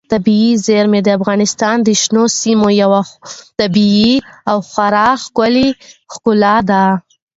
طبیعي زیرمې د افغانستان د شنو سیمو یوه طبیعي او خورا ښکلې ښکلا ده.